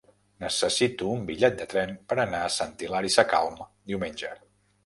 Necessito un bitllet de tren per anar a Sant Hilari Sacalm diumenge.